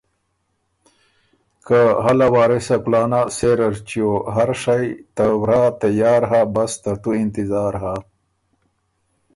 که هله وارثه کُلانه سېره ر چیو، هر شئ ته ورا تیار هۀ بس ترتُو انتظار هۀ۔